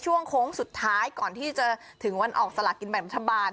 โค้งสุดท้ายก่อนที่จะถึงวันออกสลากินแบ่งรัฐบาล